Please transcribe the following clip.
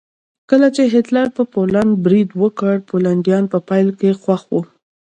کله چې هېټلر په پولنډ برید وکړ پولنډیان په پیل کې خوښ وو